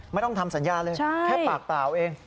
ไม่ต้องทำสัญญาเลยแค่ปากเปล่าเอง